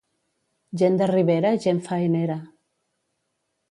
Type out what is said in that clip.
Gent de ribera, gent faenera.